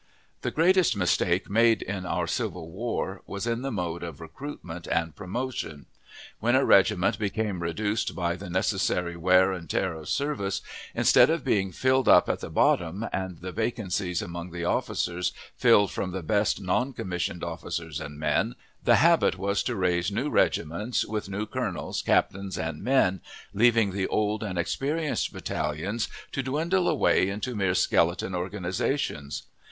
The greatest mistake made in our civil war was in the mode of recruitment and promotion. When a regiment became reduced by the necessary wear and tear of service, instead of being filled up at the bottom, and the vacancies among the officers filled from the best noncommissioned officers and men, the habit was to raise new regiments, with new colonels, captains, and men, leaving the old and experienced battalions to dwindle away into mere skeleton organizations.